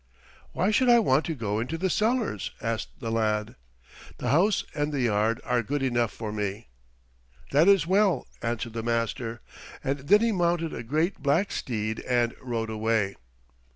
"Why should I want to go into the cellars?" asked the lad. "The house and the yard are good enough for me." "That is well," answered the master, and then he mounted a great black steed and rode away.